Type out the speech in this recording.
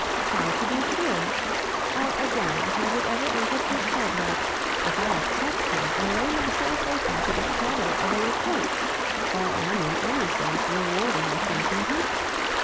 How to be sure? Or, again, has it ever entered his head that, if I accept him, I lay myself open to the shadow of a reproach or am in any sense rewarding or thanking him?